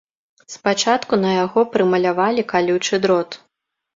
Спачатку на яго прымалявалі калючы дрот.